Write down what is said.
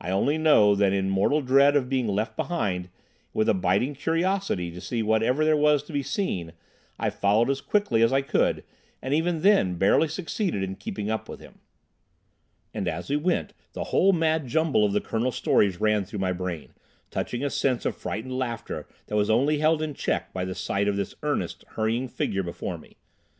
I only know, that in mortal dread of being left behind, and with a biting curiosity to see whatever there was to be seen, I followed as quickly as I could, and even then barely succeeded in keeping up with him. And, as we went, the whole mad jumble of the Colonel's stories ran through my brain, touching a sense of frightened laughter that was only held in check by the sight of this earnest, hurrying figure before me.